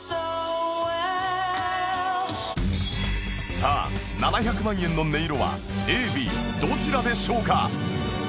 さあ７００万円の音色は ＡＢ どちらでしょうか？